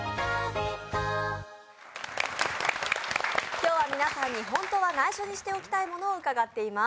今日は皆さんに、本当は内緒にしておきたいものを伺っています。